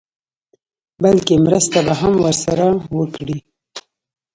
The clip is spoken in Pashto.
بلکې مرسته به هم ورسره وکړي.